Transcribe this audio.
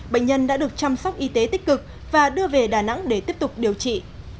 bệnh nhân đã được chăm sóc y tế tích cực và đưa về đà nẵng để tiếp tục điều trị